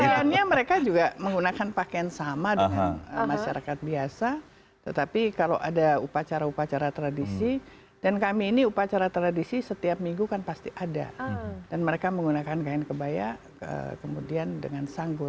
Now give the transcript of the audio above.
karena mereka juga menggunakan pakaian sama dengan masyarakat biasa tetapi kalau ada upacara upacara tradisi dan kami ini upacara tradisi setiap minggu kan pasti ada dan mereka menggunakan kain kebaya kemudian dengan sanggur